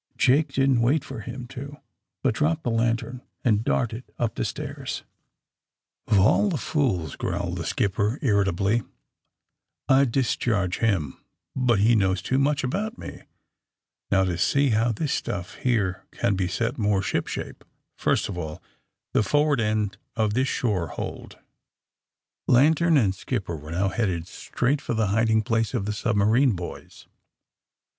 Jake didn't wait for him to, but dropped the lantern and darted up the stairs. AND THE SMUG GLEES 85 0f all the fools!" growled the skipper ir ritably. ^'I'd discharge him, but he knows too much about me! Now, to see how this stu:ff here can be set more ship shape. First of all, the forward end of this shore hold." Lantern and skipper were now headed straight for the hiding place of the submarine boys.